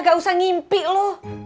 gak usah ngimpi lu